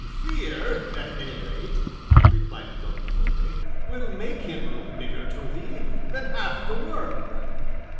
"Fear at any rate," replied Don Quixote, "will make him look bigger to thee than half the world.